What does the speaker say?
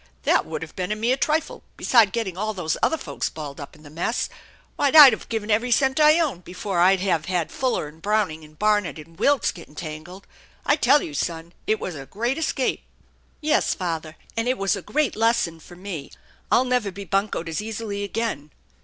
That would have been a mere trifle beside getting all those other folks balled up in the mess. Why, I'd have given every cent I own before I'd have had Fuller and Brown ing and Barnard and Wilts get entangled. I tell you, son, it was a great escape !"" Yes, father, and it was a great lesson for me. I'll never be buncoed as easily again.